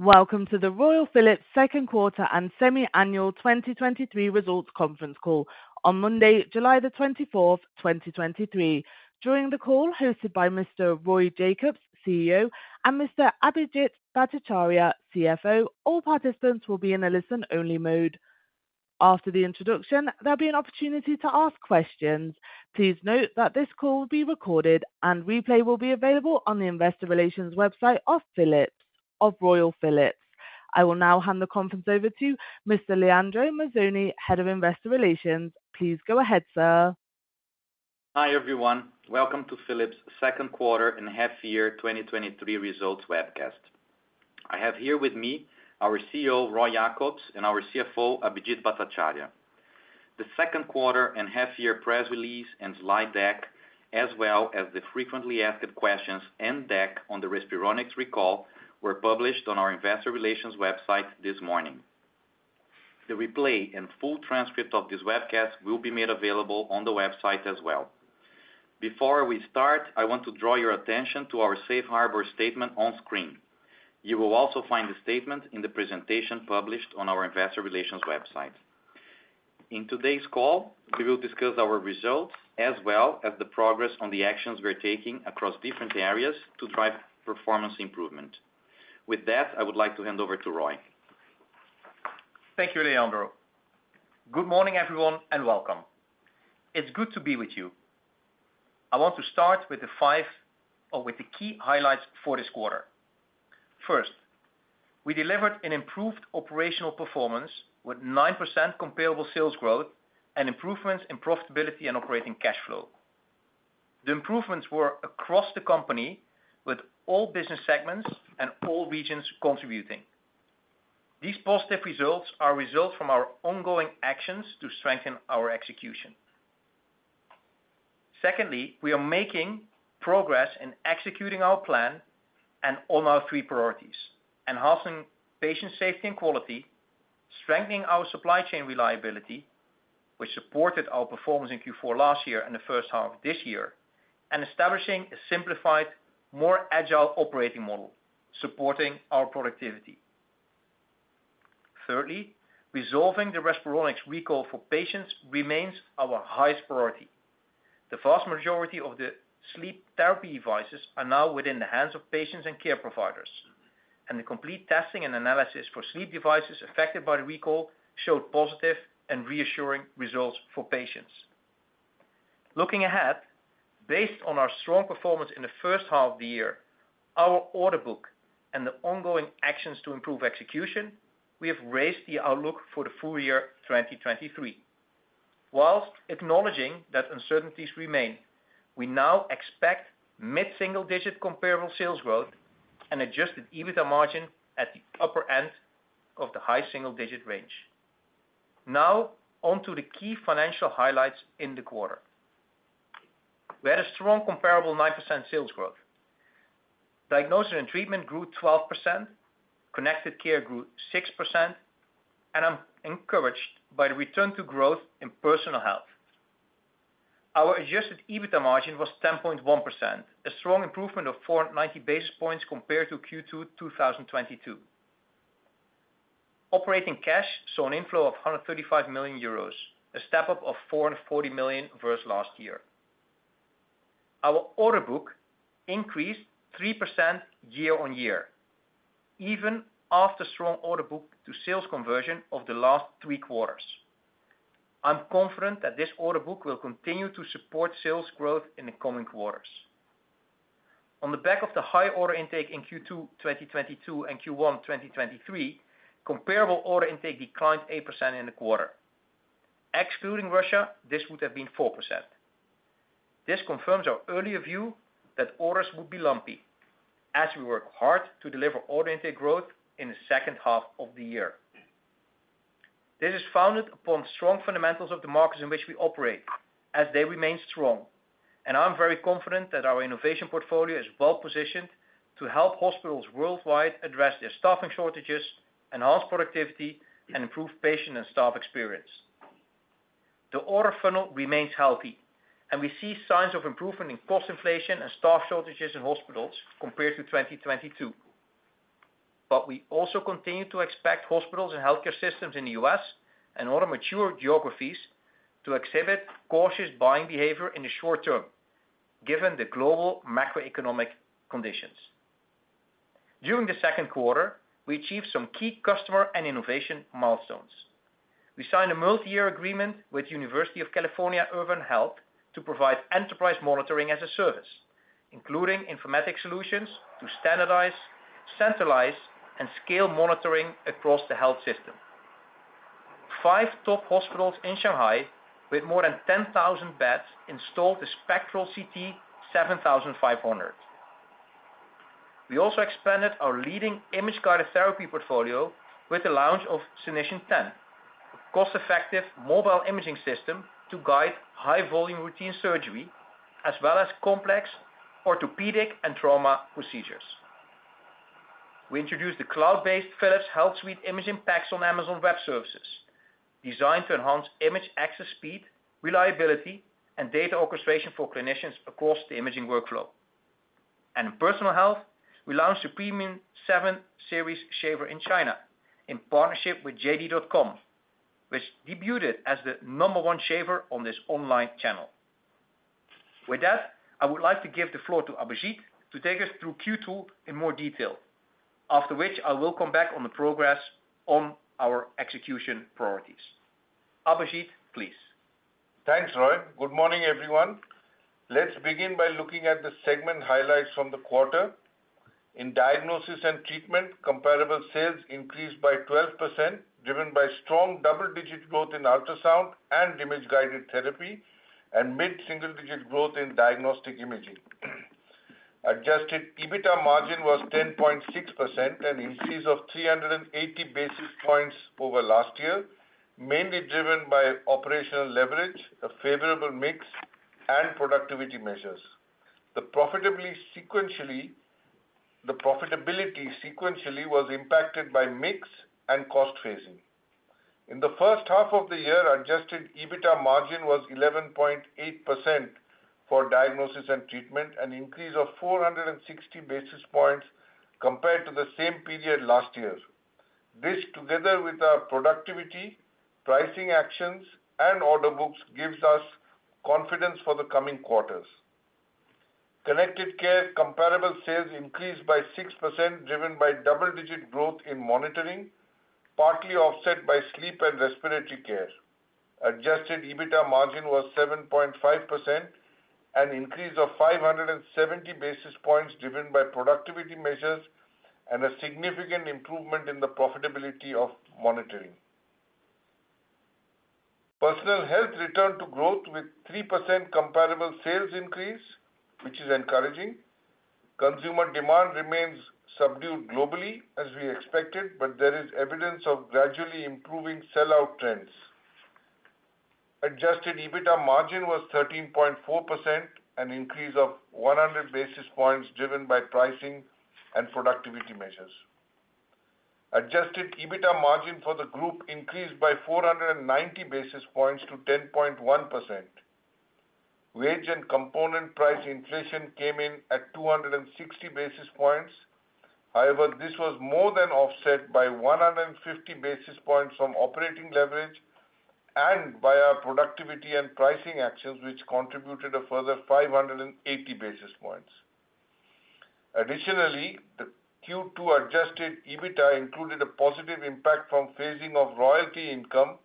Welcome to the Royal Philips Q2 and semi-annual 2023 results conference call on Monday, July 24th, 2023. During the call, hosted by Mr. Roy Jakobs, CEO, and Mr. Abhijit Bhattacharya, CFO, all participants will be in a listen-only mode. After the introduction, there'll be an opportunity to ask questions. Please note that this call will be recorded. Replay will be available on the investor relations website of Philips, of Royal Philips. I will now hand the conference over to Mr. Leandro Mazzoni, Head of Investor Relations. Please go ahead, sir. Hi, everyone. Welcome to Philips Q2 and half year 2023 results webcast. I have here with me our CEO, Roy Jakobs, and our CFO, Abhijit Bhattacharya. The Q2 and half year press release and slide deck, as well as the frequently asked questions and deck on the Respironics recall, were published on our investor relations website this morning. The replay and full transcript of this webcast will be made available on the website as well. Before we start, I want to draw your attention to our safe harbor statement on screen. You will also find the statement in the presentation published on our investor relations website. In today's call, we will discuss our results as well as the progress on the actions we are taking across different areas to drive performance improvement. With that, I would like to hand over to Roy. Thank you, Leandro. Good morning, everyone, welcome. It's good to be with you. I want to start with the key highlights for this quarter. First, we delivered an improved operational performance with 9% comparable sales growth and improvements in profitability and operating cash flow. The improvements were across the company with all business segments and all regions contributing. These positive results are a result from our ongoing actions to strengthen our execution. Secondly, we are making progress in executing our plan and on our three priorities: enhancing patient safety and quality, strengthening our supply chain reliability, which supported our performance in Q4 last year and the first half of this year, and establishing a simplified, more agile operating model, supporting our productivity. Thirdly, resolving the Respironics recall for patients remains our highest priority. The vast majority of the sleep therapy devices are now within the hands of patients and care providers, and the complete testing and analysis for sleep devices affected by the recall showed positive and reassuring results for patients. Looking ahead, based on our strong performance in the first half of the year, our order book and the ongoing actions to improve execution, we have raised the outlook for the full year 2023. Whilst acknowledging that uncertainties remain, we now expect mid-single digit comparable sales growth and adjusted EBITDA margin at the upper end of the high single-digit range. On to the key financial highlights in the quarter. We had a strong, comparable 9% sales growth. Diagnosis & Treatment grew 12%, Connected Care grew 6%, and I'm encouraged by the return to growth in Personal Health. Our adjusted EBITDA margin was 10.1%, a strong improvement of 490 basis points compared to Q2 2022. Operating cash saw an inflow of 135 million euros, a step up of 440 million versus last year. Our order book increased 3% year-on-year, even after strong order book to sales conversion of the last three quarters. I'm confident that this order book will continue to support sales growth in the coming quarters. On the back of the high order intake in Q2 2022 and Q1 2023, comparable order intake declined 8% in the quarter. Excluding Russia, this would have been 4%. This confirms our earlier view that orders would be lumpy as we work hard to deliver order intake growth in the second half of the year. This is founded upon strong fundamentals of the markets in which we operate as they remain strong. I'm very confident that our innovation portfolio is well positioned to help hospitals worldwide address their staffing shortages, enhance productivity, and improve patient and staff experience. The order funnel remains healthy, and we see signs of improvement in cost inflation and staff shortages in hospitals compared to 2022. We also continue to expect hospitals and healthcare systems in the US and other mature geographies to exhibit cautious buying behavior in the short term, given the global macroeconomic conditions. During the Q2, we achieved some key customer and innovation milestones. We signed a multi-year agreement with University of California Irvine Health to provide Enterprise Monitoring as a Service, including informatics solutions to standardize, centralize, and scale monitoring across the health system. Five top hospitals in Shanghai, with more than 10,000 beds, installed the Spectral CT 7500. We also expanded our leading Image-Guided Therapy portfolio with the launch of Zenition 10, a cost-effective mobile imaging system to guide high-volume routine surgery, as well as complex orthopedic and trauma procedures. We introduced the cloud-based Philips HealthSuite Imaging PACS on Amazon Web Services designed to enhance image access speed, reliability, and data orchestration for clinicians across the imaging workflow. In Personal Health, we launched the premium 7 Series Shaver in China, in partnership with JD.com, which debuted as the number one shaver on this online channel. With that, I would like to give the floor to Abhijit to take us through Q2 in more detail. After which, I will come back on the progress on our execution priorities. Abhijit, please. Thanks, Roy. Good morning, everyone. Let's begin by looking at the segment highlights from the quarter. In Diagnosis & Treatment, comparable sales increased by 12%, driven by strong double-digit growth in ultrasound and Image-Guided Therapy, and mid-single-digit growth in Diagnostic Imaging. Adjusted EBITDA margin was 10.6%, an increase of 380 basis points over last year, mainly driven by operating leverage, a favorable mix, and productivity measures. The profitability sequentially was impacted by mix and cost phasing. In the first half of the year, adjusted EBITDA margin was 11.8% for Diagnosis & Treatment, an increase of 460 basis points compared to the same period last year. This, together with our productivity, pricing actions, and order books, gives us confidence for the coming quarters. Connected Care comparable sales increased by 6%, driven by double-digit growth in monitoring, partly offset by Sleep and Respiratory Care. adjusted EBITDA margin was 7.5%, an increase of 570 basis points, driven by productivity measures and a significant improvement in the profitability of monitoring. Personal Health returned to growth with 3% comparable sales increase, which is encouraging. Consumer demand remains subdued globally, as we expected, but there is evidence of gradually improving sell-out trends. adjusted EBITDA margin was 13.4%, an increase of 100 basis points, driven by pricing and productivity measures. adjusted EBITDA margin for the group increased by 490 basis points to 10.1%. Wage and component price inflation came in at 260 basis points. This was more than offset by 150 basis points from operating leverage and by our productivity and pricing actions, which contributed a further 580 basis points. The Q2 adjusted EBITDA included a positive impact from phasing of royalty income,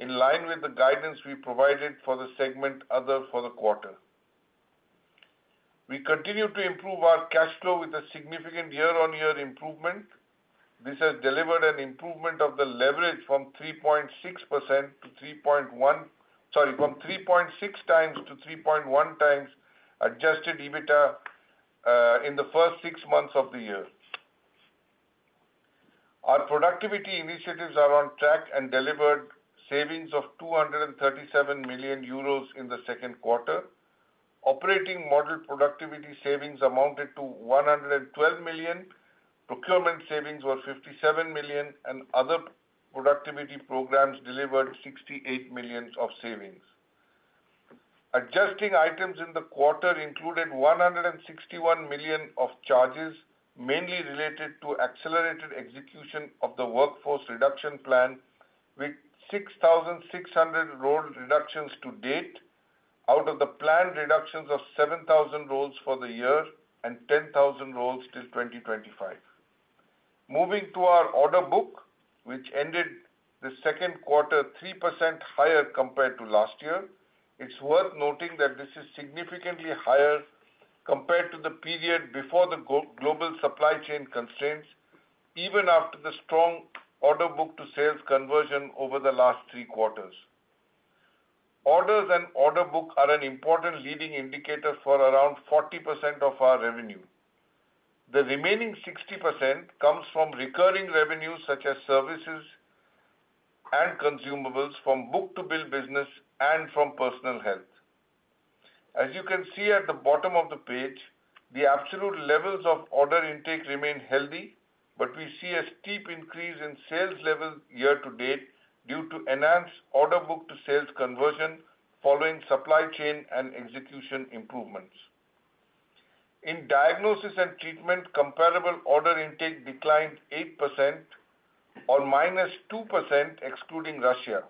in line with the guidance we provided for the segment other for the quarter. We continue to improve our cash flow with a significant year-on-year improvement. This has delivered an improvement of the leverage from 3.6x to 3.1x times adjusted EBITDA in the first six months of the year. Our productivity initiatives are on track and delivered savings of 237 million euros in the Q2. Operating model productivity savings amounted to 112 million, procurement savings were 57 million, and other productivity programs delivered 68 millions of savings. Adjusting items in the quarter included 161 million of charges, mainly related to accelerated execution of the workforce reduction plan, with 6,600 role reductions to date, out of the planned reductions of 7,000 roles for the year and 10,000 roles till 2025. Moving to our order book, which ended the Q2 3% higher compared to last year. It's worth noting that this is significantly higher compared to the period before the global supply chain constraints, even after the strong order book to sales conversion over the last three quarters. Orders and order book are an important leading indicator for around 40% of our revenue. The remaining 60% comes from recurring revenues, such as services and consumables, from book-to-bill business and from Personal Health. As you can see at the bottom of the page, the absolute levels of order intake remain healthy, but we see a steep increase in sales levels year to date due to enhanced order book-to-sales conversion following supply chain and execution improvements. In Diagnosis & Treatment, comparable order intake declined 8%, or -2%, excluding Russia.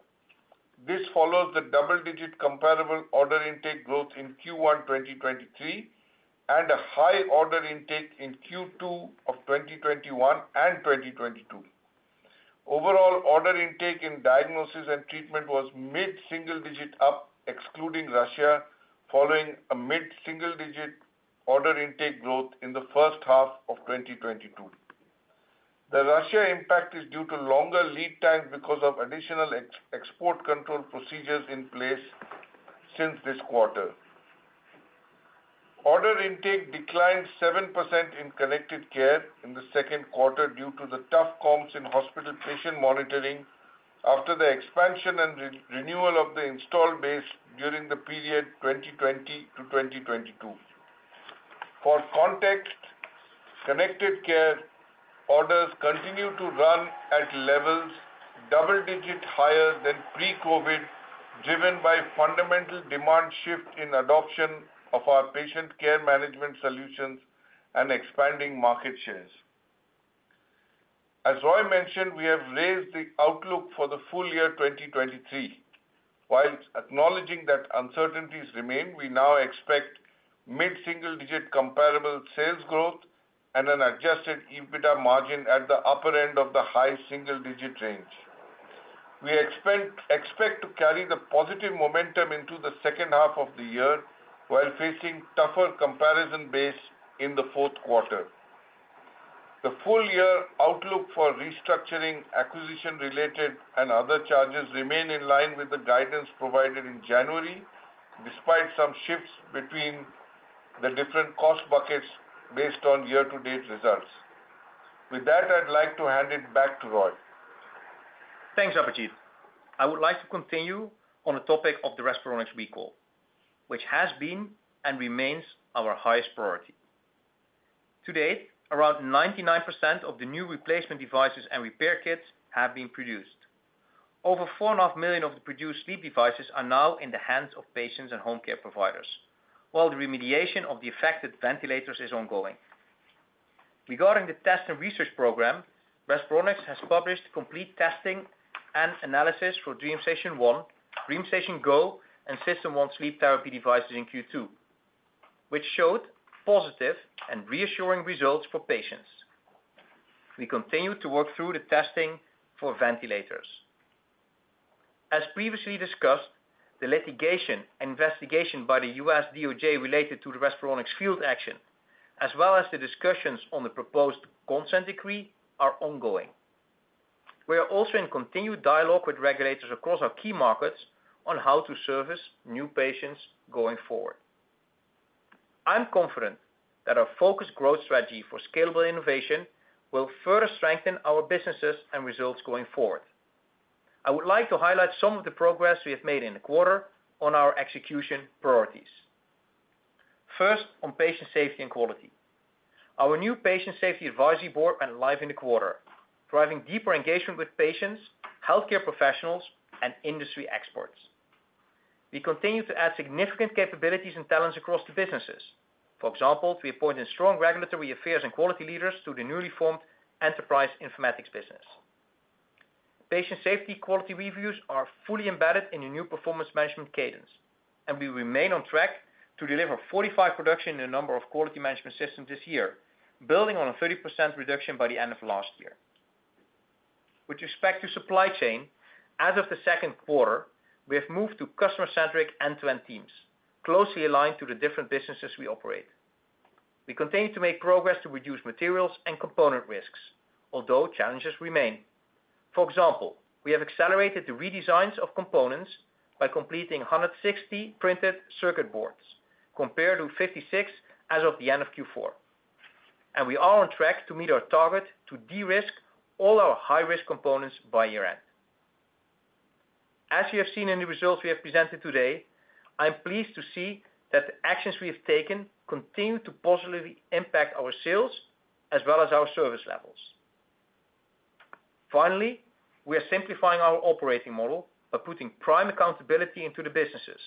This follows the double-digit comparable order intake growth in Q1 2023, and a high order intake in Q2 of 2021 and 2022. Overall, order intake in Diagnosis & Treatment was mid-single digit up, excluding Russia, following a mid-single digit order intake growth in the first half of 2022. The Russia impact is due to longer lead time because of additional export control procedures in place since this quarter. Order intake declined 7% in Connected Care in the Q2 due to the tough comps in hospital patient monitoring after the expansion and renewal of the installed base during the period 2020 to 2022. For context, Connected Care orders continue to run at levels double-digit higher than pre-COVID, driven by fundamental demand shift in adoption of our patient care management solutions and expanding market shares. As Roy mentioned, we have raised the outlook for the full year 2023. While acknowledging that uncertainties remain, we now expect mid-single-digit comparable sales growth and an adjusted EBITDA margin at the upper end of the high-single-digit range. We expect to carry the positive momentum into the second half of the year, while facing tougher comparison base in the Q4. The full year outlook for restructuring, acquisition-related, and other charges remain in line with the guidance provided in January, despite some shifts between the different cost buckets based on year-to-date results. With that, I'd like to hand it back to Roy. Thanks, Abhijit. I would like to continue on the topic of the Respironics recall, which has been and remains our highest priority. To date, around 99% of the new replacement devices and repair kits have been produced. Over 4.5 million of the produced sleep devices are now in the hands of patients and home care providers, while the remediation of the affected ventilators is ongoing. Regarding the test and research program, Respironics has published complete testing and analysis for DreamStation 1, DreamStation Go, and SystemOne sleep therapy devices in Q2, which showed positive and reassuring results for patients. We continue to work through the testing for ventilators. As previously discussed, the litigation investigation by the US DOJ related to the Respironics field action, as well as the discussions on the proposed consent decree, are ongoing. We are also in continued dialogue with regulators across our key markets on how to service new patients going forward. I'm confident that our focused growth strategy for scalable innovation will further strengthen our businesses and results going forward. I would like to highlight some of the progress we have made in the quarter on our execution priorities. First, on patient safety and quality. Our new Patient Safety Advisory Board went live in the quarter, driving deeper engagement with patients, healthcare professionals, and industry experts. We continue to add significant capabilities and talents across the businesses. For example, we appointed strong regulatory affairs and quality leaders to the newly formed Enterprise Informatics business. Patient safety quality reviews are fully embedded in the new performance management cadence. We remain on track to deliver 45 production in a number of quality management systems this year, building on a 30% reduction by the end of last year. With respect to supply chain, as of the Q2, we have moved to customer-centric end-to-end teams, closely aligned to the different businesses we operate. We continue to make progress to reduce materials and component risks, although challenges remain. For example, we have accelerated the redesigns of components by completing 160 printed circuit boards, compared to 56 as of the end of Q4, and we are on track to meet our target to de-risk all our high-risk components by year-end. As you have seen in the results we have presented today, I am pleased to see that the actions we have taken continue to positively impact our sales as well as our service levels. Finally, we are simplifying our operating model by putting prime accountability into the businesses,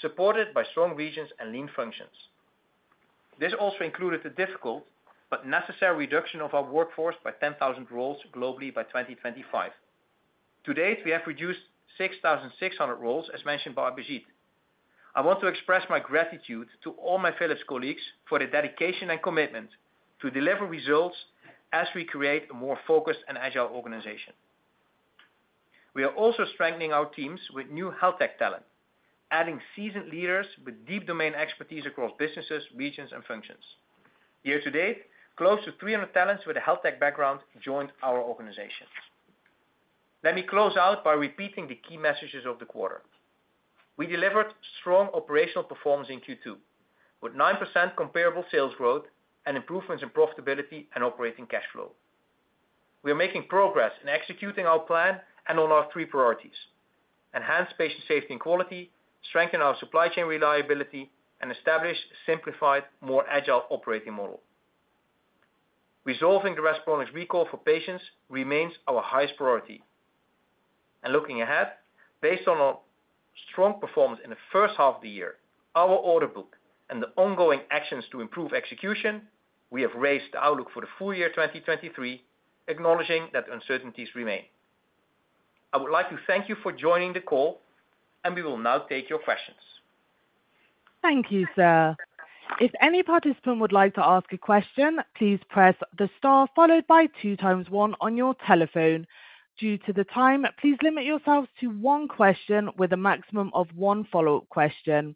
supported by strong regions and lean functions. This also included the difficult but necessary reduction of our workforce by 10,000 roles globally by 2025. To date, we have reduced 6,600 roles, as mentioned by Abhijit. I want to express my gratitude to all my Philips colleagues for their dedication and commitment to deliver results as we create a more focused and agile organization. We are also strengthening our teams with new health tech talent, adding seasoned leaders with deep domain expertise across businesses, regions, and functions. Year to date, close to 300 talents with a health tech background joined our organization. Let me close out by repeating the key messages of the quarter. We delivered strong operational performance in Q2, with 9% comparable sales growth and improvements in profitability and operating cash flow. We are making progress in executing our plan and on our three priorities: enhance patient safety and quality, strengthen our supply chain reliability, and establish a simplified, more agile operating model. Resolving the Respironics recall for patients remains our highest priority. Looking ahead, based on our strong performance in the first half of the year, our order book and the ongoing actions to improve execution, we have raised the outlook for the full year 2023, acknowledging that uncertainties remain. I would like to thank you for joining the call, and we will now take your questions. Thank you, sir. If any participant would like to ask a question, please press the star followed by two times one on your telephone. Due to the time, please limit yourselves to one question with a maximum of one follow-up question.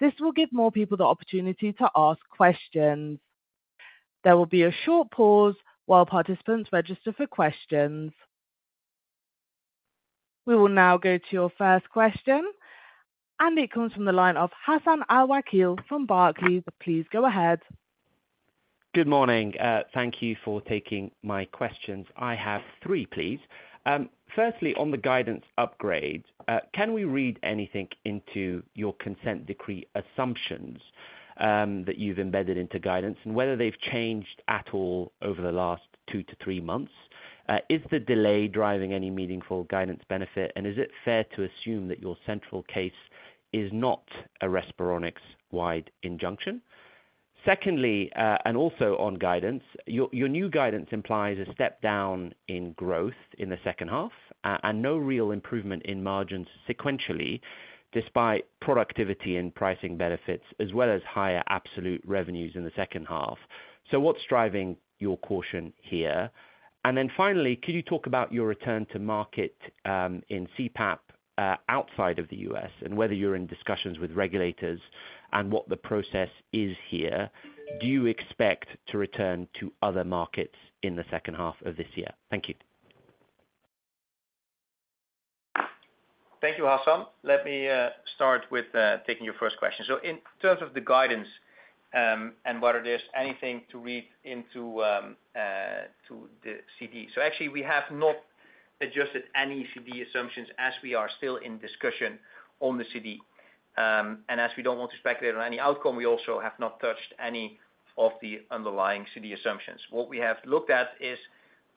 This will give more people the opportunity to ask questions. There will be a short pause while participants register for questions. We will now go to your first question, and it comes from the line of Hassan Al-Wakeel from Barclays. Please go ahead. Good morning. Thank you for taking my questions. I have three, please. Firstly, on the guidance upgrade, can we read anything into your consent decree assumptions that you've embedded into guidance, and whether they've changed at all over the last two to three months? Is the delay driving any meaningful guidance benefit, and is it fair to assume that your central case is not a Respironics-wide injunction? Secondly, and also on guidance, your new guidance implies a step down in growth in the second half, and no real improvement in margins sequentially, despite productivity and pricing benefits, as well as higher absolute revenues in the second half. What's driving your caution here? Finally, could you talk about your return to market, in CPAP, outside of the US, and whether you're in discussions with regulators, and what the process is here? Do you expect to return to other markets in the second half of this year? Thank you. Thank you, Hassan. Let me start with taking your first question. In terms of the guidance, and whether there's anything to read into to the CD. Actually, we have not adjusted any CD assumptions as we are still in discussion on the CD. As we don't want to speculate on any outcome, we also have not touched any of the underlying CD assumptions. What we have looked at is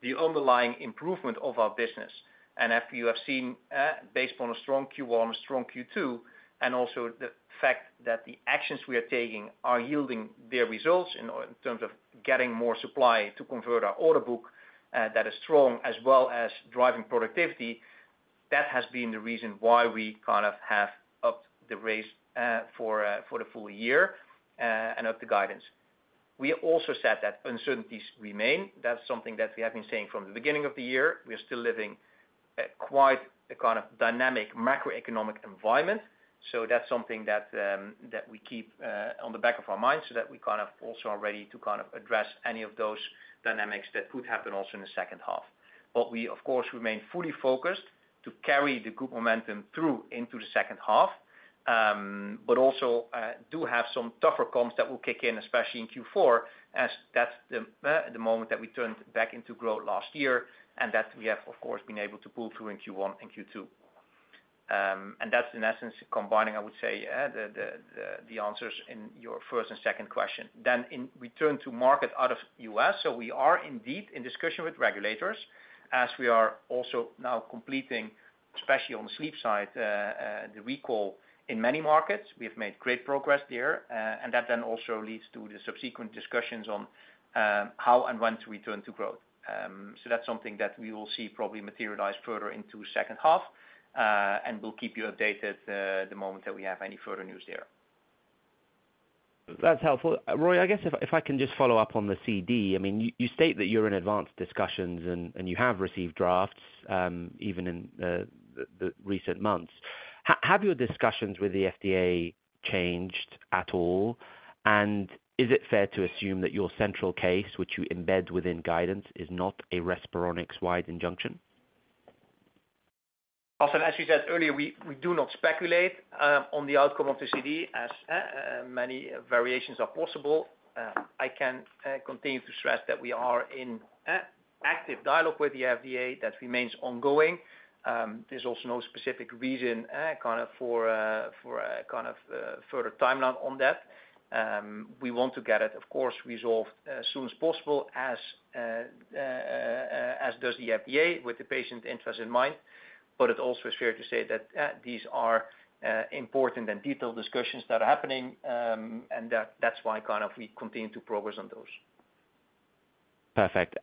the underlying improvement of our business, and after you have seen, based on a strong Q1, a strong Q2, and also the fact that the actions we are taking are yielding their results in terms of getting more supply to convert our order book, that is strong, as well as driving productivity, that has been the reason why we kind of have upped the raise, for the full year, and upped the guidance. We also said that uncertainties remain. That's something that we have been saying from the beginning of the year. We are still living quite a dynamic macroeconomic environment. That's something that we keep on the back of our minds, so that we kind of also are ready to kind of address any of those dynamics that could happen also in the second half. We, of course, remain fully focused to carry the good momentum through into the second half, but also do have some tougher comps that will kick in, especially in Q4, as that's the moment that we turned back into growth last year, and that we have, of course, been able to pull through in Q1 and Q2. That's in essence, combining, I would say, the answers in your first and second question. In return to market out of U.S., we are indeed in discussion with regulators, as we are also now completing, especially on the sleep side, the recall in many markets. We have made great progress there, and that then also leads to the subsequent discussions on how and when to return to growth. That's something that we will see probably materialize further into second half, and we'll keep you updated the moment that we have any further news there. That's helpful. Roy, I guess if I can just follow up on the CD, I mean, you state that you're in advanced discussions and you have received drafts even in the recent months. Have your discussions with the FDA changed at all, and is it fair to assume that your central case, which you embed within guidance, is not a Respironics-wide injunction? As you said earlier, we do not speculate on the outcome of the CD, as many variations are possible. I can continue to stress that we are in active dialogue with the FDA. That remains ongoing. There's also no specific reason kind of for kind of further timeline on that. We want to get it, of course, resolved as soon as possible, as does the FDA, with the patient interest in mind. It also is fair to say that these are important and detailed discussions that are happening, and that's why kind of we continue to progress on those. Perfect.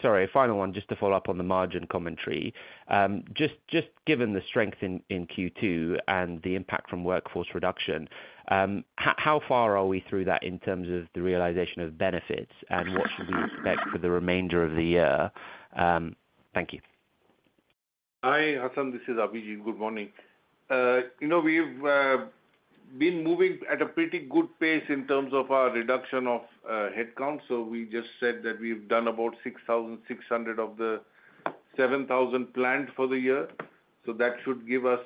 Sorry, final one, just to follow up on the margin commentary. Just given the strength in Q2 and the impact from workforce reduction, how far are we through that in terms of the realization of benefits, and what should we expect for the remainder of the year? Thank you. Hi, Hassan, this is Abhijit. Good morning. You know, we've been moving at a pretty good pace in terms of our reduction of headcount, we just said that we've done about 6,600 of the 7,000 planned for the year. That should give us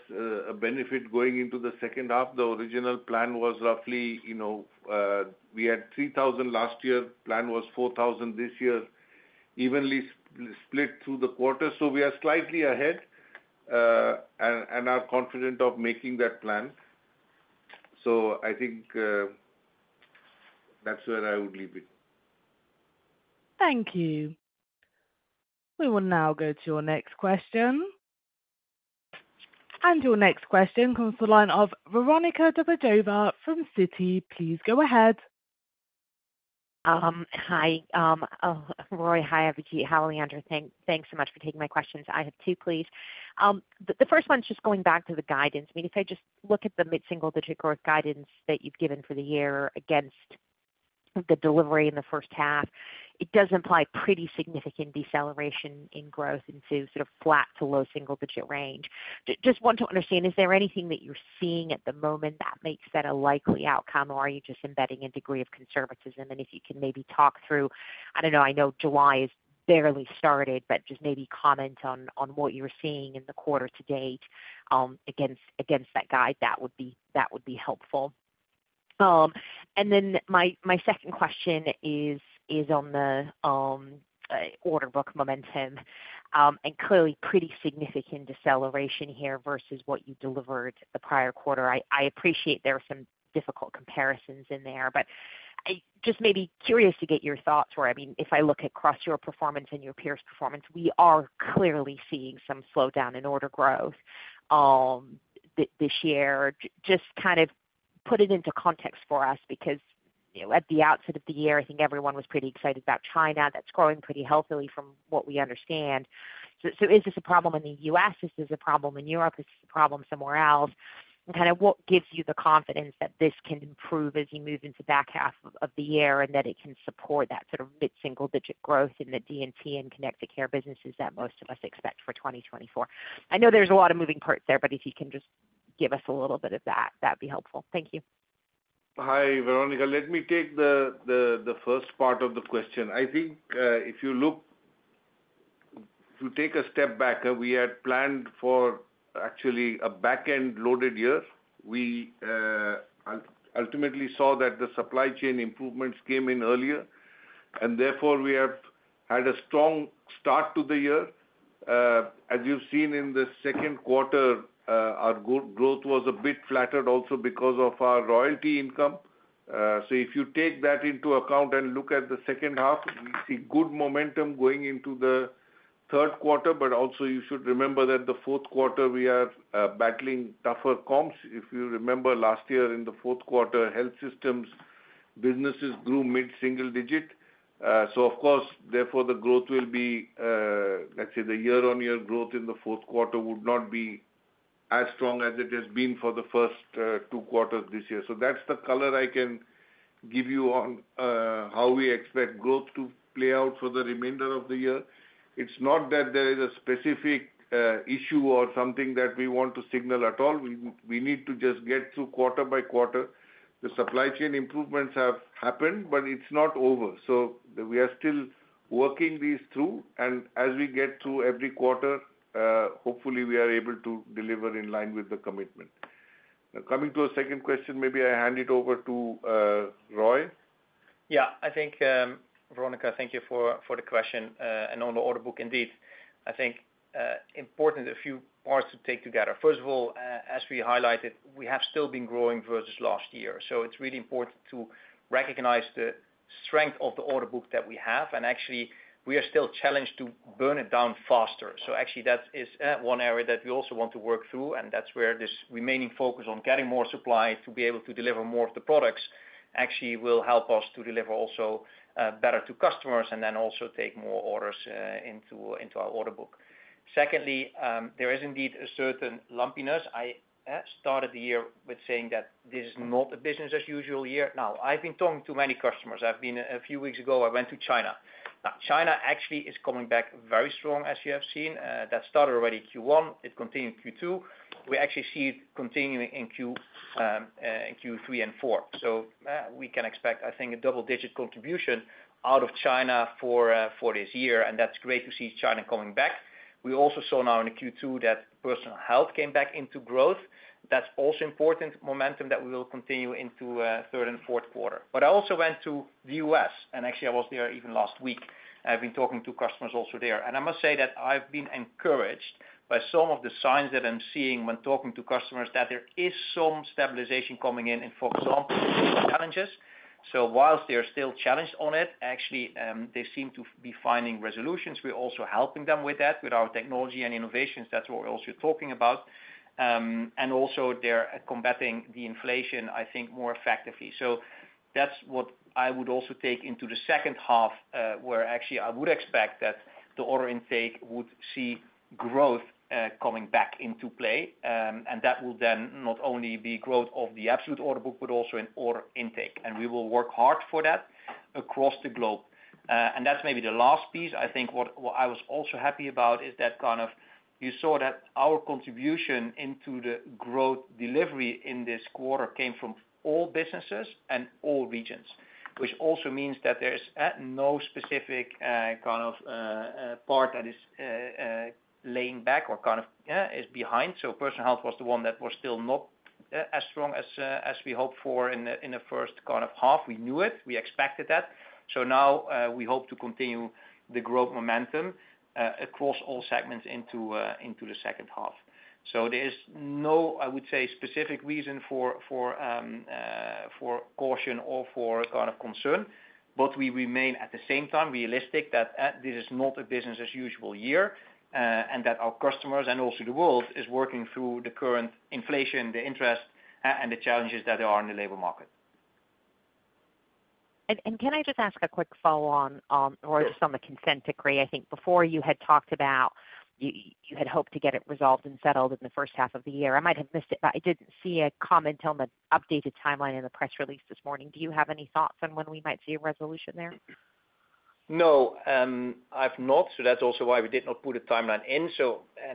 a benefit going into the second half. The original plan was roughly, you know, we had 3,000 last year, plan was 4,000 this year, evenly split through the quarter. We are slightly ahead, and are confident of making that plan. I think that's where I would leave it. Thank you. We will now go to your next question. Your next question comes from the line of Veronika Dubajova from Citi. Please go ahead. Hi, Roy, hi, Abhijit, hi, Alejandro. Thanks so much for taking my questions. I have two, please. The first one is just going back to the guidance. I mean, if I just look at the mid-single-digit growth guidance that you've given for the year against the delivery in the first half, it does imply pretty significant deceleration in growth into sort of flat to low single digit range. Just want to understand, is there anything that you're seeing at the moment that makes that a likely outcome, or are you just embedding a degree of conservatism? If you can maybe talk through- I don't know, I know July is barely started, but just maybe comment on what you're seeing in the quarter-to-date, against that guide, that would be helpful. My second question is on the order book momentum, and clearly pretty significant deceleration here versus what you delivered the prior quarter. I appreciate there are some difficult comparisons in there, but I just may be curious to get your thoughts where, I mean, if I look across your performance and your peers' performance, we are clearly seeing some slowdown in order growth, this year. Just kind of put it into context for us, because, you know, at the outset of the year, I think everyone was pretty excited about China. That's growing pretty healthily from what we understand. Is this a problem in the U.S.? Is this a problem in Europe? Is this a problem somewhere else? What gives you the confidence that this can improve as you move into the back half of the year, and that it can support that sort of mid-single-digit growth in the D&T and Connected Care businesses that most of us expect for 2024? I know there's a lot of moving parts there, but if you can just give us a little bit of that'd be helpful. Thank you. Hi, Veronica. Let me take the first part of the question. I think, if you take a step back, we had planned for actually a back-end loaded year. We ultimately saw that the supply chain improvements came in earlier, and therefore, we have had a strong start to the year. As you've seen in the Q2, our go-growth was a bit flattered also because of our royalty income. If you take that into account and look at the second half, we see good momentum going into the Q3, but also you should remember that the Q4, we are battling tougher comps. If you remember last year in the Q4, health systems businesses grew mid-single digit. Of course, therefore, the growth will be, let's say, the year-on-year growth in the Q4 would not be as strong as it has been for the first two quarters this year. That's the color I can give you on how we expect growth to play out for the remainder of the year. It's not that there is a specific issue or something that we want to signal at all. We need to just get through quarter-by-quarter. The supply chain improvements have happened, but it's not over. We are still working these through, and as we get through every quarter, hopefully, we are able to deliver in line with the commitment. Now, coming to a second question, maybe I hand it over to Roy. Yeah, I think, Veronika, thank you for the question. On the order book, indeed. I think, important a few parts to take together. First of all, as we highlighted, we have still been growing versus last year. It's really important to recognize the strength of the order book that we have, and actually, we are still challenged to burn it down faster. Actually, that is one area that we also want to work through, and that's where this remaining focus on getting more supply to be able to deliver more of the products actually will help us to deliver also better to customers. Then also take more orders into our order book. Secondly, there is indeed a certain lumpiness. I started the year with saying that this is not a business as usual year. I've been talking to many customers. A few weeks ago, I went to China. China actually is coming back very strong, as you have seen. That started already Q1, it continued in Q2. We actually see it continuing in Q3 and Q4. We can expect, I think, a double-digit contribution out of China for this year. That's great to see China coming back. We also saw now in Q2 that Personal Health came back into growth. That's also important momentum that we will continue into third and Q4. I also went to the U.S. Actually, I was there even last week. I've been talking to customers also there. I must say that I've been encouraged by some of the signs that I'm seeing when talking to customers, that there is some stabilization coming in, and for example, challenges. Whilst they're still challenged on it, actually, they seem to be finding resolutions. We're also helping them with that, with our technology and innovations. That's what we're also talking about. Also, they're combating the inflation, I think, more effectively. That's what I would also take into the second half, where actually I would expect that the order intake would see growth coming back into play. That will then not only be growth of the absolute order book, but also in order intake. We will work hard for that across the globe. And that's maybe the last piece. I think what I was also happy about is that you saw that our contribution into the growth delivery in this quarter came from all businesses and all regions, which also means that there is no specific part that is laying back or is behind. Personal Health was the one that was still not as strong as we hoped for in the first half. We knew it, we expected that. Now we hope to continue the growth momentum across all segments into the second half. There is no, I would say, specific reason for caution or for kind of concern, but we remain, at the same time, realistic that this is not a business as usual year, and that our customers and also the world, is working through the current inflation, the interest, and the challenges that are in the labor market. Can I just ask a quick follow-on, or just on the consent decree? I think before you had talked about you had hoped to get it resolved and settled in the first half of the year. I might have missed it, but I didn't see a comment on the updated timeline in the press release this morning. Do you have any thoughts on when we might see a resolution there? No. I've not. That's also why we did not put a timeline in.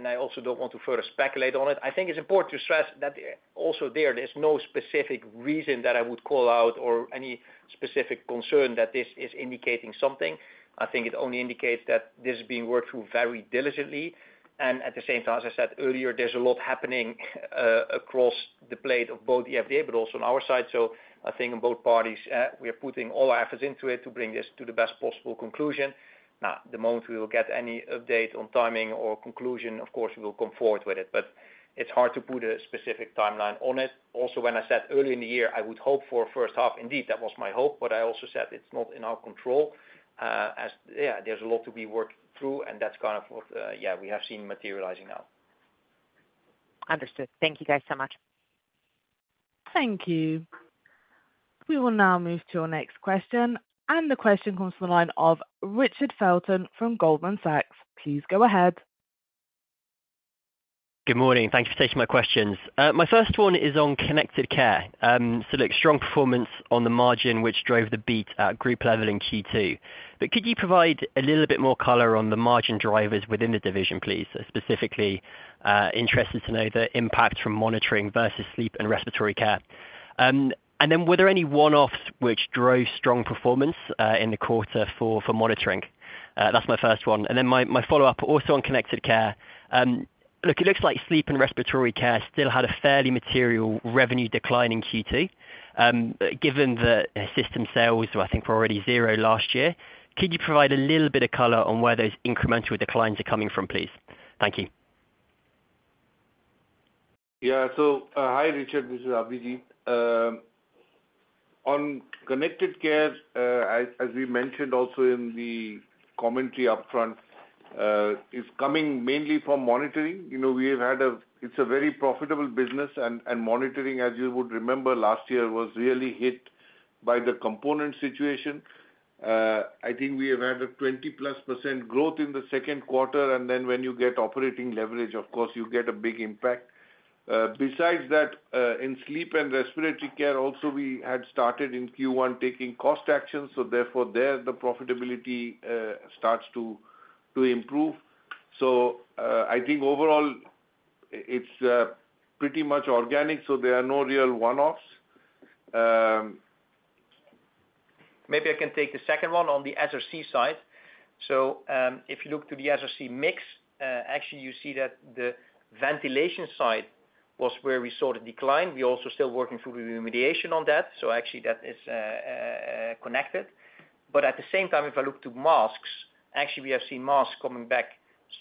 I also don't want to further speculate on it. I think it's important to stress that there's no specific reason that I would call out, or any specific concern that this is indicating something. I think it only indicates that this is being worked through very diligently, and at the same time, as I said earlier, there's a lot happening across the plate of both the FDA, but also on our side. I think on both parties, we are putting all our efforts into it to bring this to the best possible conclusion. The moment we will get any update on timing or conclusion, of course, we will come forward with it, but it's hard to put a specific timeline on it. When I said earlier in the year, I would hope for first half, indeed that was my hope, but I also said it's not in our control, as yeah, there's a lot to be worked through, and that's kind of what, yeah, we have seen materializing now. Understood. Thank you guys so much. Thank you. We will now move to our next question, and the question comes from the line of Richard Felton from Goldman Sachs. Please go ahead. Good morning, thank you for taking my questions. My first one is on Connected Care. Strong performance on the margin, which drove the beat at group level in Q2. Could you provide a little bit more color on the margin drivers within the division, please? Specifically, interested to know the impact from monitoring versus Sleep and Respiratory Care. Were there any one-offs which drove strong performance in the quarter for monitoring? That's my first one. My follow-up, also on Connected Care, it looks like Sleep and Respiratory Care still had a fairly material revenue decline in Q2. Given the system sales were already zero last year, could you provide a little bit of color on where those incremental declines are coming from, please? Thank you. Hi, Richard, this is Abhijit. On Connected Care, as we mentioned also in the commentary upfront, is coming mainly from monitoring. You know, It's a very profitable business, and monitoring, as you would remember last year, was really hit by the component situation. I think we have had a 20-plus % growth in the Q2, and then when you get operating leverage, of course you get a big impact. Besides that, in Sleep and Respiratory Care also, we had started in Q1 taking cost actions, so therefore there, the profitability starts to improve. I think overall it's pretty much organic, so there are no real one-offs. Maybe I can take the second one on the SRC side. If you look to the SRC mix, actually you see that the ventilation side was where we saw the decline. We're also still working through the remediation on that, so actually that is connected. At the same time, if I look to masks, actually we have seen masks coming back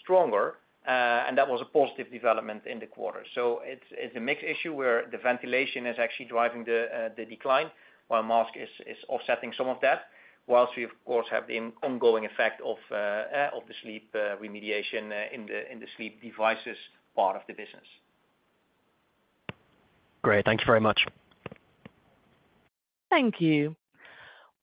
stronger, and that was a positive development in the quarter. It's a mixed issue where the ventilation is actually driving the decline, while mask is offsetting some of that, whilst we of course have the ongoing effect of the sleep remediation in the sleep devices part of the business. Great, thank you very much. Thank you.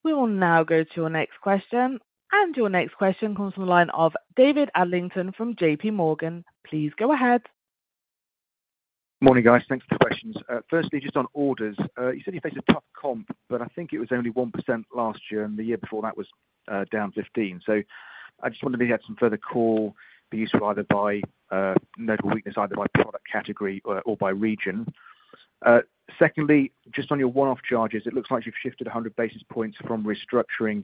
We will now go to our next question, and your next question comes from the line of David Adlington from JPMorgan. Please go ahead. Morning, guys. Thanks for the questions. Firstly, just on orders. You said you faced a tough comp, but I think it was only 1% last year, and the year before that was down 15. I just wondered if you had some further call, be useful either by notable weakness, either by product category or by region. Secondly, just on your one-off charges, it looks like you've shifted 100 basis points from restructuring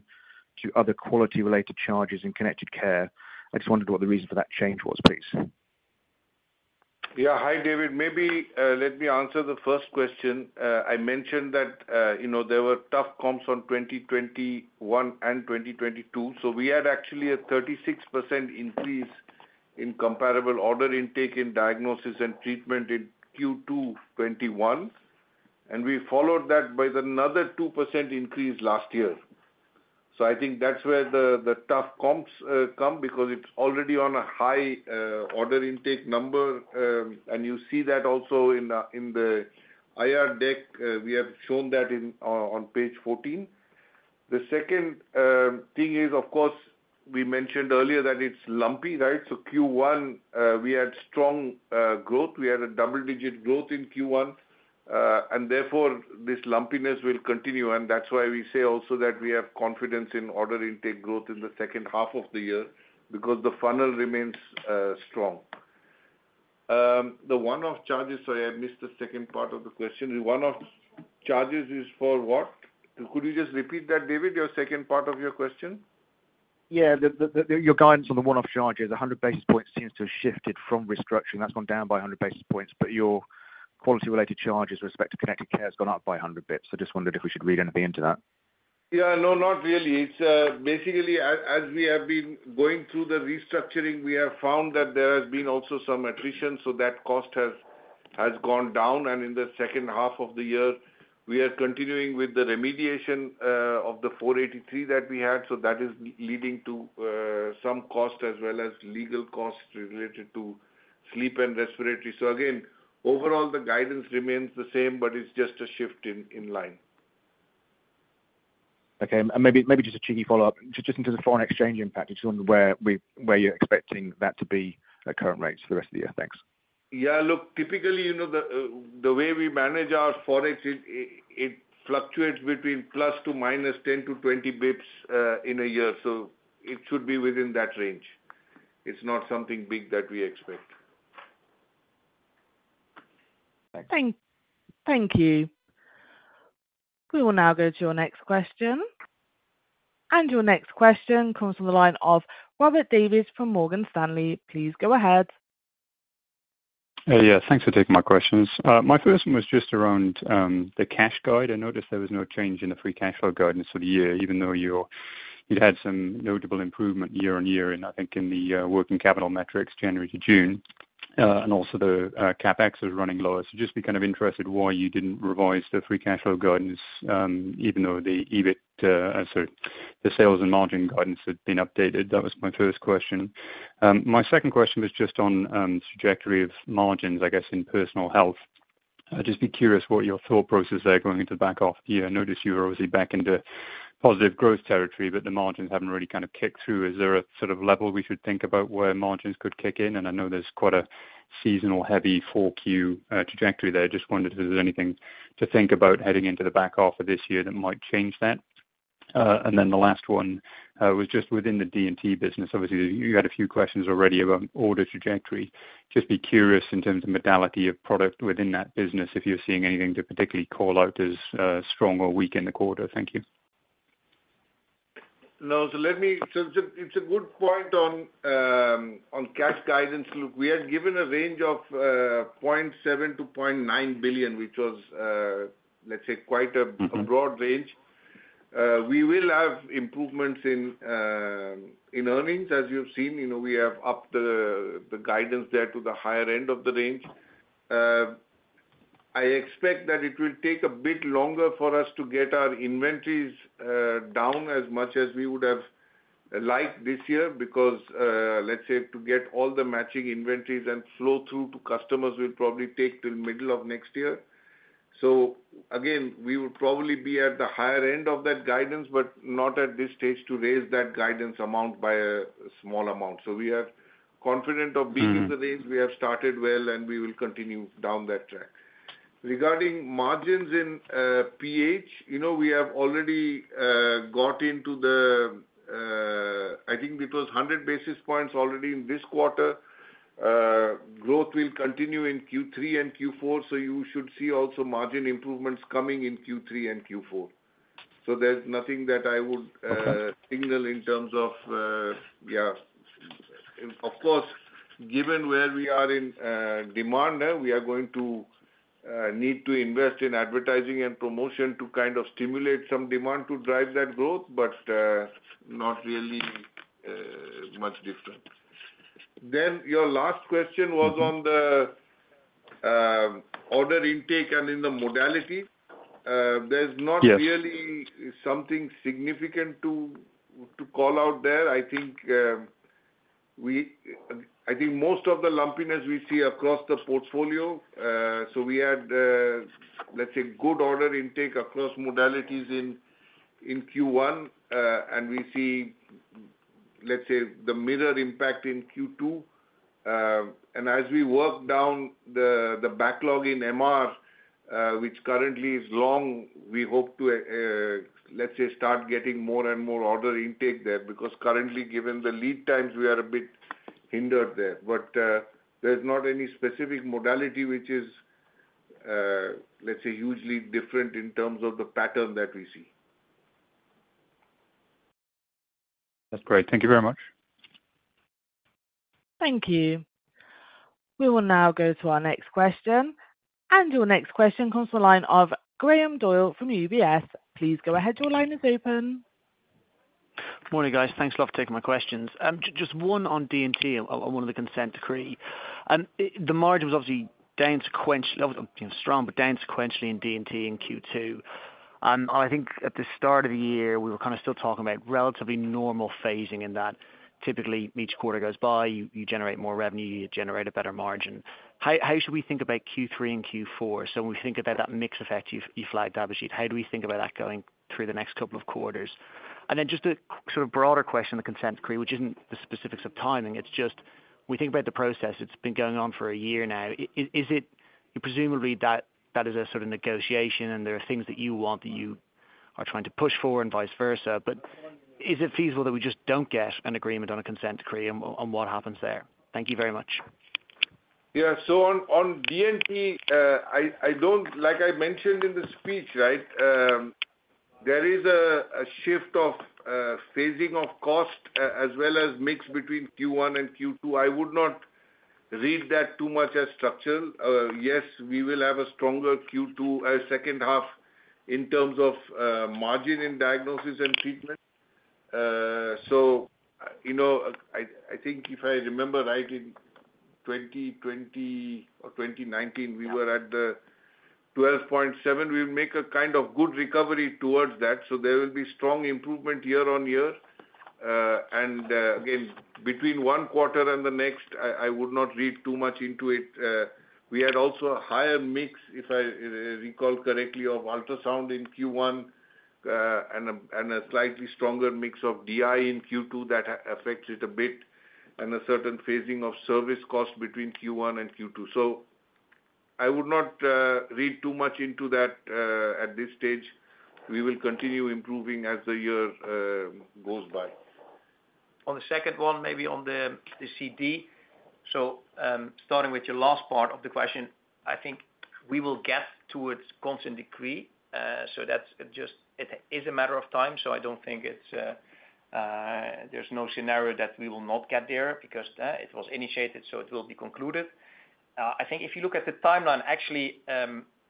to other quality-related charges in Connected Care. I just wondered what the reason for that change was, please? Yeah. Hi, David. Maybe, let me answer the first question. I mentioned that, you know, there were tough comps on 2021 and 2022. We had actually a 36% increase in comparable order intake in Diagnosis & Treatment in Q2 2021, and we followed that by another 2% increase last year. I think that's where the tough comps come, because it's already on a high order intake number. You see that also in the IR deck. We have shown that on page 14. The second thing is, of course, we mentioned earlier that it's lumpy, right? Q1, we had strong growth. We had a double-digit growth in Q1. This lumpiness will continue. We say also that we have confidence in order intake growth in the second half of the year because the funnel remains strong. The one-off charges. I missed the second part of the question. The one-off charges is for what? Could you just repeat that, David, your second part of your question? Yeah. The your guidance on the one-off charges, 100 basis points seems to have shifted from restructuring. That's gone down by 100 basis points, but your quality-related charges with respect to Connected Care has gone up by 100 basis. I just wondered if we should read anything into that? Yeah, no, not really. It's basically as we have been going through the restructuring, we have found that there has been also some attrition, so that cost has gone down, and in the second half of the year, we are continuing with the remediation of the Form 483 that we had. That is leading to some costs as well as legal costs related to sleep and respiratory. Again, overall, the guidance remains the same, but it's just a shift in line. Okay, maybe just a cheeky follow-up. Just into the foreign exchange impact, just wondering where you're expecting that to be at current rates for the rest of the year? Thanks. Yeah, look, typically, you know, the way we manage our forex, it fluctuates between plus to minus 10-20 basis points in a year, so it should be within that range. It's not something big that we expect. Thank you. We will now go to your next question. Your next question comes from the line of Robert Davies from Morgan Stanley. Please go ahead. Yeah, thanks for taking my questions. My first one was just around the cash guide. I noticed there was no change in the free cash flow guidance for the year, even though you had some notable improvement year-on-year in, I think, in the working capital metrics, January to June. Also the CapEx is running lower. Just be kind of interested why you didn't revise the free cash flow guidance, even though the EBIT, sorry, the sales and margin guidance had been updated. That was my first question. My second question was just on trajectory of margins, I guess, in Personal Health. I'd just be curious what your thought process there going into the back half of the year. I noticed you were obviously back into positive growth territory, but the margins haven't really kind of kicked through. Is there a sort of level we should think about where margins could kick in? I know there's quite a seasonal heavy Q4 trajectory there. I just wondered if there's anything to think about heading into the back half of this year that might change that. Then the last one was just within the D&T business. Obviously, you had a few questions already about order trajectory. Just be curious in terms of modality of product within that business, if you're seeing anything to particularly call out as strong or weak in the quarter. Thank you. No. Let me. It's a good point on cash guidance. Look, we had given a range of 0.7 billion-0.9 billion, which was, let's say quite a. Mm-hmm... a broad range. We will have improvements in earnings, as you've seen. You know, we have upped the guidance there to the higher end of the range. I expect that it will take a bit longer for us to get our inventories down as much as we would have liked this year, because, let's say, to get all the matching inventories and flow through to customers will probably take till middle of next year. Again, we would probably be at the higher end of that guidance, but not at this stage to raise that guidance amount by a small amount. We are confident of being- Mm... in the range. We have started well, we will continue down that track. Regarding margins in PH, you know, we have already got into the, I think it was 100 basis points already in this quarter. Growth will continue in Q3 and Q4, you should see also margin improvements coming in Q3 and Q4. There's nothing that I would signal in terms of, yeah. Of course, given where we are in demand, we are going to need to invest in advertising and promotion to kind of stimulate some demand to drive that growth, not really much different. Your last question was on the order intake and in the modality. There's not- Yes... really something significant to call out there. I think most of the lumpiness we see across the portfolio. We had, let's say, good order intake across modalities in Q1. We see, let's say, the mirror impact in Q2. As we work down the backlog in MR, which currently is long, we hope to, let's say, start getting more and more order intake there, because currently, given the lead times, we are a bit hindered there. There's not any specific modality which is, let's say, hugely different in terms of the pattern that we see. That's great. Thank you very much. Thank you. We will now go to our next question. Your next question comes from the line of Graham Doyle from UBS. Please go ahead, your line is open. Good morning, guys. Thanks a lot for taking my questions. Just one on D&T, on one of the consent decree. The margin was obviously down sequentially, obviously, strong, but down sequentially in D&T in Q2. I think at the start of the year, we were kind of still talking about relatively normal phasing in that. Typically, each quarter goes by, you generate more revenue, you generate a better margin. How should we think about Q3 and Q4? When we think about that mix effect, you flagged Abhijit, how do we think about that going through the next couple of quarters? Then just a sort of broader question, the consent decree, which isn't the specifics of timing, it's just we think about the process that's been going on for a year now. Is it presumably that is a sort of negotiation, and there are things that you want, that you are trying to push for and vice versa. Is it feasible that we just don't get an agreement on a consent decree, and what happens there? Thank you very much. Yeah. On, on D&T, I don't, like I mentioned in the speech, right, there is a shift of phasing of cost as well as mix between Q1 and Q2. I would not read that too much as structural. Yes, we will have a stronger Q2, second half in terms of margin in Diagnosis & Treatment. You know, I think if I remember right, in 2020 or 2019, we were at 12.7%. We make a kind of good recovery towards that, so there will be strong improvement year-on-year. Again, between one quarter and the next, I would not read too much into it. We had also a higher mix, if I recall correctly, of ultrasound in Q1, and a slightly stronger mix of DI in Q2 that affected it a bit, and a certain phasing of service costs between Q1 and Q2. I would not read too much into that at this stage. We will continue improving as the year goes by. On the second one, maybe on the CD. Starting with your last part of the question, I think we will get towards consent decree. It is a matter of time, so I don't think it's there's no scenario that we will not get there, because it was initiated, so it will be concluded. I think if you look at the timeline, actually,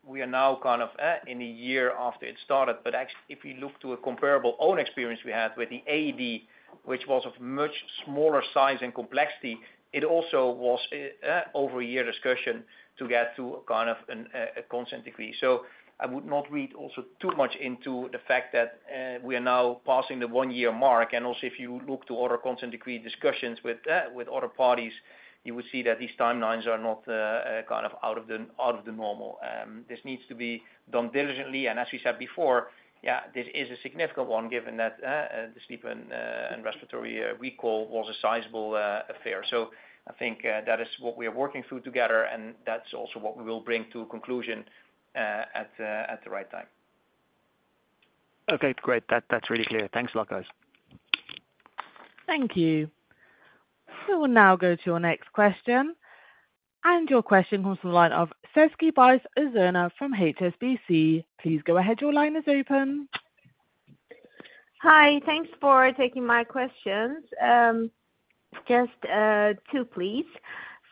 we are now kind of in the year after it started, but actually, if you look to a comparable own experience we had with the AD, which was of much smaller size and complexity, it also was over a year discussion to get to kind of an a consent decree. I would not read also too much into the fact that we are now passing the one-year mark. Also, if you look to other consent decree discussions with other parties, you will see that these timelines are not kind of out of the normal. This needs to be done diligently, and as we said before, yeah, this is a significant one, given that the Sleep and Respiratory recall was a sizable affair. I think that is what we are working through together, and that's also what we will bring to a conclusion at the right time. Okay, great. That's really clear. Thanks a lot, guys. Thank you. We will now go to our next question. Your question comes from the line of Sezgi Ozener from HSBC. Please go ahead. Your line is open. Hi. Thanks for taking my questions. Just two, please.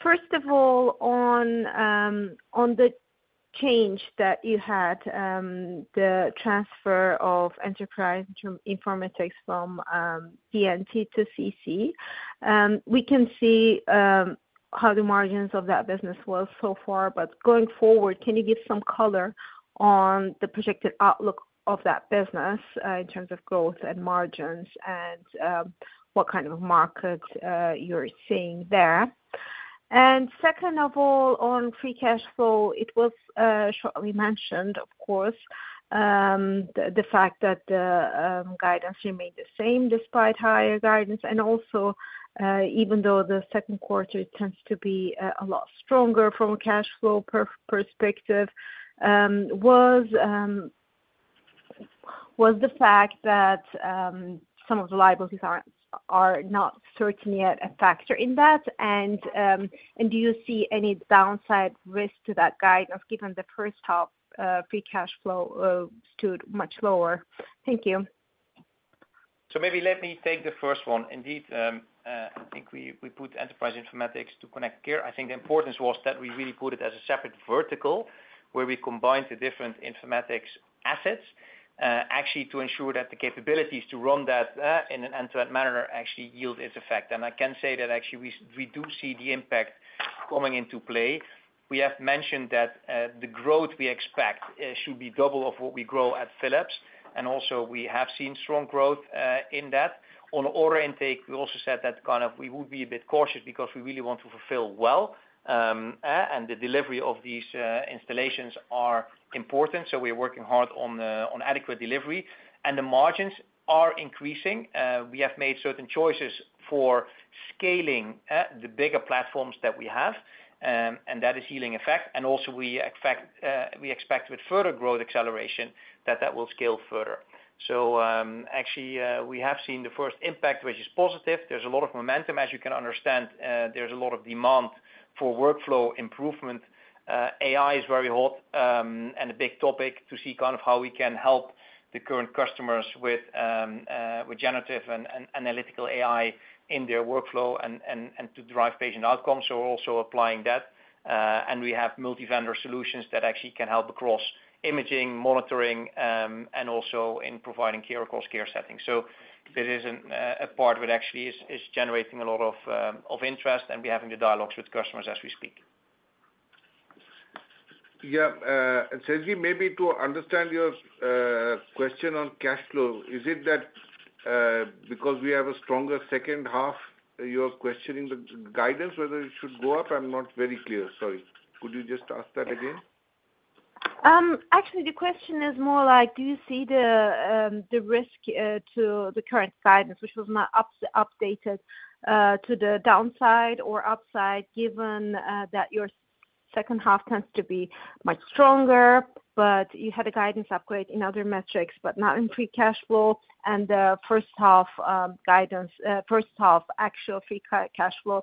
First of all, on the change that you had, the transfer of Enterprise Informatics from D&T to CC, we can see how the margins of that business was so far. Going forward, can you give some color on the projected outlook of that business in terms of growth and margins and what kind of markets you're seeing there? Second of all, on free cash flow, it was shortly mentioned, of course, the fact that the guidance remained the same despite higher guidance, and also, even though the Q2 tends to be a lot stronger from a cash flow perspective. Was the fact that some of the liabilities are not certainly a factor in that? Do you see any downside risk to that guide of given the first half, free cash flow, stood much lower? Thank you. Maybe let me take the first one. Indeed, I think we put Enterprise Informatics to Connected Care. I think the importance was that we really put it as a separate vertical, where we combined the different informatics assets, actually to ensure that the capabilities to run that in an end-to-end manner actually yield its effect. I can say that actually we do see the impact coming into play. We have mentioned that the growth we expect should be double of what we grow at Philips, and also we have seen strong growth in that. On order intake, we also said that kind of we would be a bit cautious because we really want to fulfill well, and the delivery of these installations are important, so we are working hard on adequate delivery. The margins are increasing. We have made certain choices for scaling the bigger platforms that we have, and that is healing effect. We expect with further growth acceleration that that will scale further. Actually, we have seen the first impact, which is positive. There's a lot of momentum, as you can understand, there's a lot of demand for workflow improvement. AI is very hot, and a big topic to see kind of how we can help the current customers with generative and analytical AI in their workflow and to drive patient outcomes. We're also applying that, and we have multi-vendor solutions that actually can help across imaging, monitoring, and also in providing care across care settings. This is a part which actually is generating a lot of interest, and we're having the dialogues with customers as we speak. Yeah, Sezgi, maybe to understand your question on cash flow, is it that, because we have a stronger second half, you're questioning the guidance, whether it should go up? I'm not very clear. Sorry. Could you just ask that again? Actually, the question is more like, do you see the risk to the current guidance, which was not up-updated, to the downside or upside, given that your second half tends to be much stronger, but you had a guidance upgrade in other metrics, but not in free cash flow? The first half guidance, first half actual free cash flow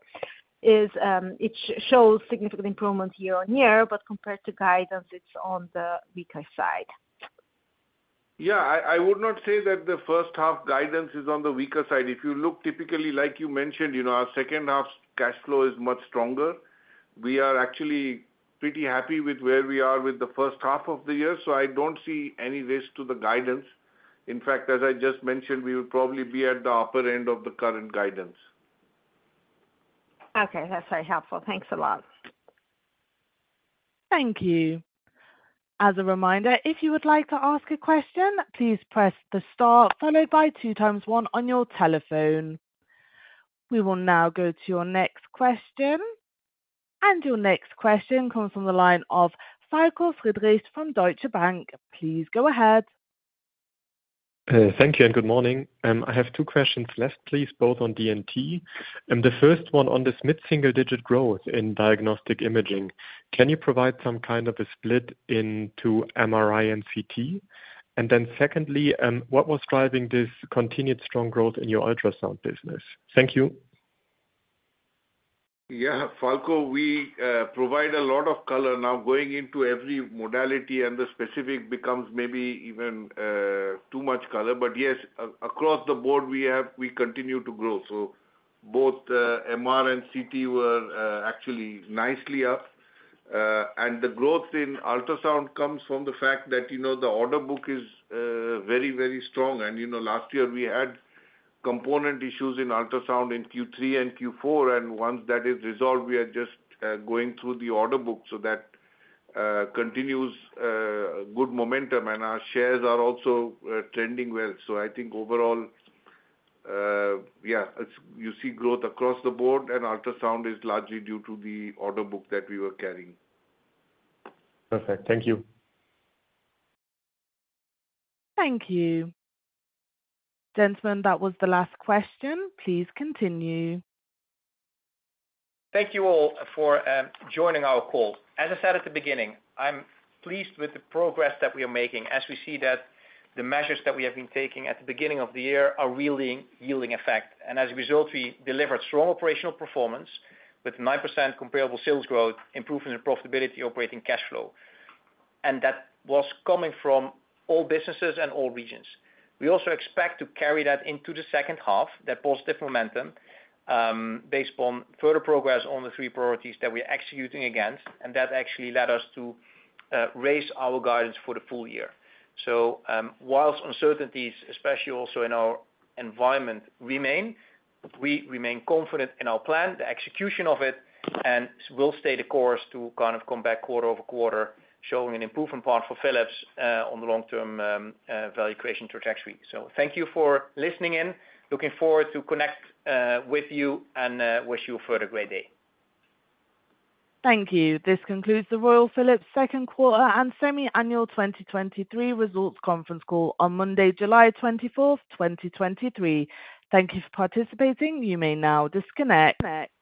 is, it shows significant improvement year-on-year, but compared to guidance, it's on the weaker side. Yeah, I would not say that the first half guidance is on the weaker side. If you look typically, like you mentioned, you know, our second half cash flow is much stronger. We are actually pretty happy with where we are with the first half of the year. I don't see any risk to the guidance. In fact, as I just mentioned, we will probably be at the upper end of the current guidance. Okay, that's very helpful. Thanks a lot. Thank you. As a reminder, if you would like to ask a question, please press the star followed by two times one on your telephone. We will now go to your next question. Your next question comes from the line of Falko Friedrichs from Deutsche Bank. Please go ahead. Thank you, and good morning. I have two questions left, please, both on D&T. The first one on this mid-single-digit growth in Diagnostic Imaging. Can you provide some kind of a split into MRI and CT? Secondly, what was driving this continued strong growth in your ultrasound business? Thank you. Yeah, Falko, we provide a lot of color now going into every modality, and the specific becomes maybe even too much color. Yes, across the board, we continue to grow. Both, MR and CT were actually nicely up. The growth in ultrasound comes from the fact that, you know, the order book is very, very strong. Once that is resolved, we are just going through the order book. That continues good momentum, and our shares are also trending well. I think overall, yeah, it's... You see growth across the board, and ultrasound is largely due to the order book that we were carrying. Perfect. Thank you. Thank you. Gentlemen, that was the last question. Please continue. Thank you all for joining our call. As I said at the beginning, I'm pleased with the progress that we are making, as we see that the measures that we have been taking at the beginning of the year are really yielding effect. As a result, we delivered strong operational performance with 9% comparable sales growth, improvement in profitability, operating cash flow. That was coming from all businesses and all regions. We also expect to carry that into the second half, that positive momentum, based on further progress on the three priorities that we are executing against, and that actually led us to raise our guidance for the full year. Whilst uncertainties, especially also in our environment, remain, we remain confident in our plan, the execution of it, and we'll stay the course to kind of come back quarter-over-quarter, showing an improvement path for Philips on the long term value creation trajectory. Thank you for listening in. Looking forward to connect with you, and wish you a further great day. Thank you. This concludes the Royal Philips Q2 and semi-annual 2023 results conference call on Monday, July 24th, 2023. Thank you for participating. You may now disconnect.